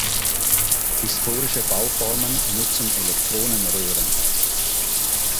Historische Bauformen nutzen Elektronenröhren.